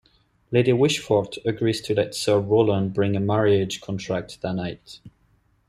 Lady Wishfort agrees to let Sir Rowland bring a marriage contract that night.